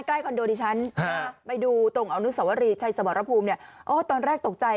ใกล้คอนโดที่ชั้นถ้าไปดูตรงอนุสาวรีชัยสมรภูมิตอนแรกตกใจ